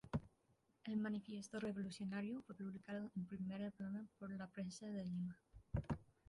El manifiesto revolucionario fue publicado en primera plana por "La Prensa" de Lima.